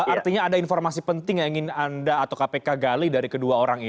artinya ada informasi penting yang ingin anda atau kpk gali dari kedua orang ini